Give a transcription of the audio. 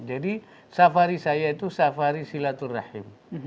jadi safari saya itu safari silaturrahim